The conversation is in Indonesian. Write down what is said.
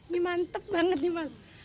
ini mantep banget nih mas